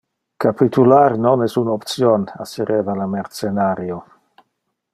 "Capitular non es un option", assereva le mercenario.